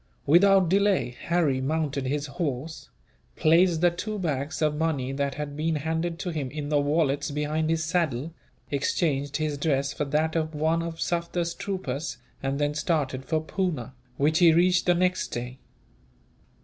Without delay, Harry mounted his horse, placed the two bags of money that had been handed to him in the wallets behind his saddle, exchanged his dress for that of one of Sufder's troopers, and then started for Poona, which he reached the next day.